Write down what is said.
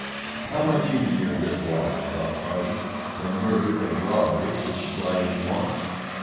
How much easier this was, thought Tarzan, than murder and robbery to supply his wants.